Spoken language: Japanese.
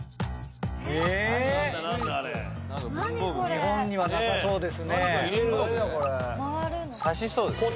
日本にはなさそうですね